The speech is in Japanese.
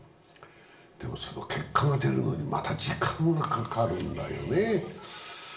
でも結果が出るのにまた時間がかかるんだよね。